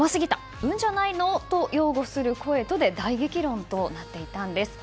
運じゃないのという擁護する声など大激論となっていたんです。